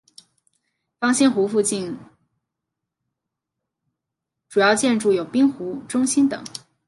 方兴湖公园附近的主要建筑有滨湖中心等。